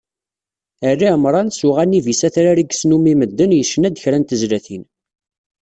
Ɛli Ɛemran, s uɣanib-is atrar i yesnum i medden, yecna-d kra n tezlatin.